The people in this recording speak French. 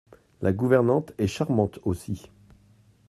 La gouvernante est charmante aussi.